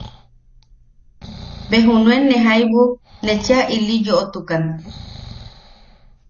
Be junuen ne jaibu ne chea ili yoʼotukan.